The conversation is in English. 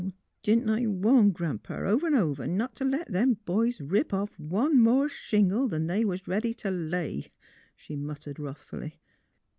" Didn't I warn Gran 'pa over 'n' over not t' let them boys rip off one more shingle 'an they was ready t' lay? " she muttered, wrathfully.